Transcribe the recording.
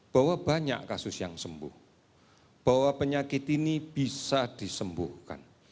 bahwa banyak kasus yang sembuh bahwa penyakit ini bisa disembuhkan